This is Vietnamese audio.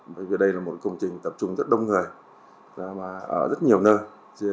bởi vì đây là một công trình tập trung rất đông người ở rất nhiều nơi